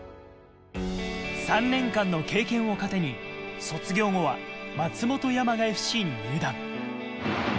３年間の経験を糧に卒業後は松本山雅ＦＣに入団。